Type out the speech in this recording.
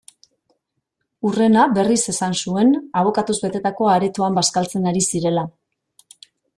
Hurrena, berriz esan zuen, abokatuz betetako aretoan bazkaltzen ari zirela.